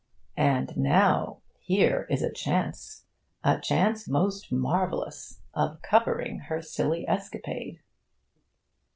And now, here is a chance, a chance most marvellous, of covering her silly escapade.